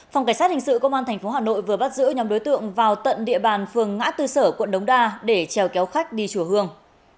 phòng cảnh sát hình sự công an tp hà nội vừa bắt giữ nhóm đối tượng vào tận địa bàn phường ngã tư sở quận đống đa để treo kéo khách đi chùa hương